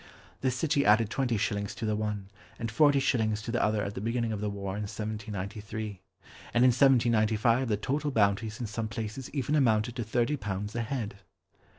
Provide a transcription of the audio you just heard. The city added twenty shillings to the one, and forty shillings to the other at the beginning of the war in 1793. And in 1795 the total bounties in some places even amounted to thirty pounds a head!